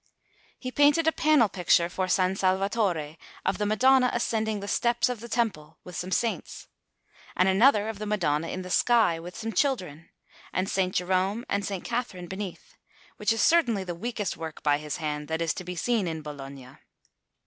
He painted a panel picture for S. Salvatore, of the Madonna ascending the steps of the Temple, with some saints; and another of the Madonna in the sky, with some children, and S. Jerome and S. Catherine beneath, which is certainly the weakest work by his hand that is to be seen in Bologna.